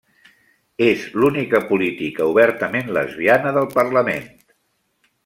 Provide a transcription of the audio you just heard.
És l'única política obertament lesbiana del Parlament.